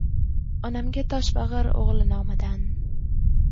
Onamga tosh bagir ugli nomidan